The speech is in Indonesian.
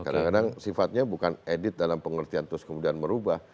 kadang kadang sifatnya bukan edit dalam pengertian terus kemudian merubah